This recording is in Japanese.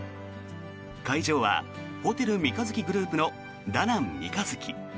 会場はホテル三日月グループのダナン三日月。